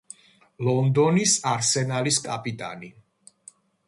ლონდონის არსენალის კაპიტანი.